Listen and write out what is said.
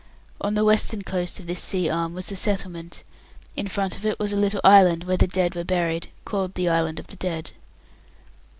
On the western coast of this sea arm was the settlement; in front of it was a little island where the dead were buried, called The Island of the Dead.